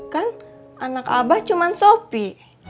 kan anak abah cuman sofi